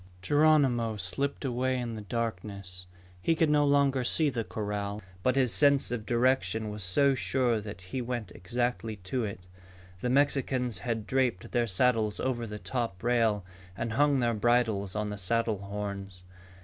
Geronimo slipped away in the darkness. He could no longer see the corral, but his sense of direction was so sure that he went exactly to it. The Mexicans had draped their saddles over the top rail and hung their bridles on the saddle horns.